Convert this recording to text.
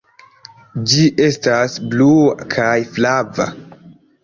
Ĝi estas blua kaj flava.